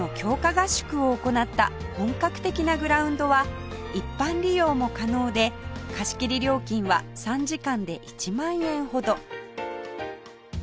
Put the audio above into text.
合宿を行った本格的なグラウンドは一般利用も可能で貸し切り料金は３時間で１万円ほど